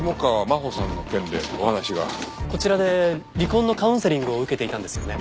こちらで離婚のカウンセリングを受けていたんですよね？